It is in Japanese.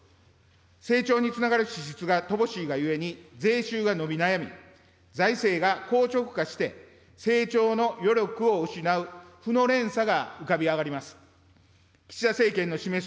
成長につながる支出が乏しいがゆえに、税収が伸び悩み、財政が硬直化して、成長の余力を失う負の連鎖が浮かび上がります。